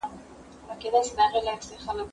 زه له سهاره د سبا لپاره د هنرونو تمرين کوم